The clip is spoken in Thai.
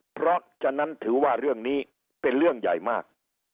เพราะฉะนั้นถือว่าเรื่องนี้เป็นเรื่องใหญ่มาก